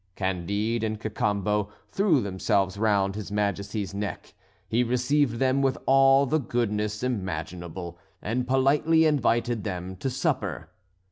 Candide and Cacambo threw themselves round his Majesty's neck. He received them with all the goodness imaginable, and politely invited them to supper.